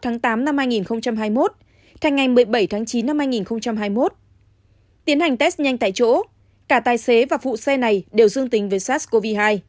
thành ngày một mươi bảy chín hai nghìn hai mươi một tiến hành test nhanh tại chỗ cả tài xế và vụ xe này đều dương tính với sars cov hai